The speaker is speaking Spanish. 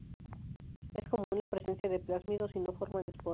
Es común la presencia de plásmidos y no forman esporas.